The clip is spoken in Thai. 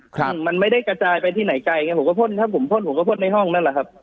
ครับมันไม่ได้กระจายไปที่ไหนไกลไงผมก็พ่นถ้าผมพ่นผมก็พ่นในห้องนั่นแหละครับ